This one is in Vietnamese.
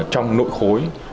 trong nội khối